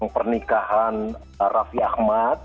pernikahan raffi ahmad